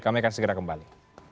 kami akan segera kembali